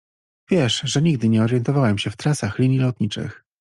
Wiesz, że nigdy nie orientowałem się w trasach linii lotniczych.